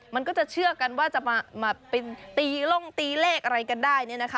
มันก็จะเชื่อกันว่าจะมาตีเลขอะไรกันได้นะคะ